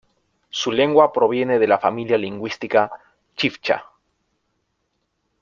Su lengua proviene de la familia lingüística Chibcha.